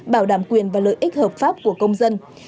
bảo đảm quyền và lợi ích hợp pháp của công dân